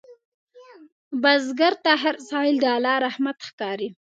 بزګر ته هر حاصل د الله رحمت ښکاري